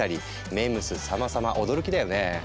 ＭＥＭＳさまさま驚きだよね。